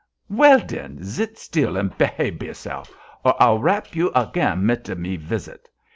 "Well, den, zit still and pehabe yourself, or I'll rap you again mid me vist.